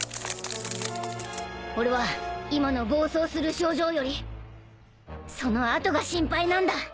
俺は今の暴走する症状よりその後が心配なんだ。